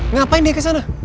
ngapain dia kesana